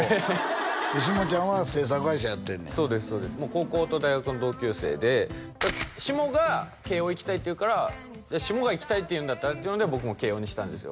高校と大学の同級生で下が慶應行きたいって言うから下が行きたいって言うんだったらっていうので僕も慶應にしたんですよ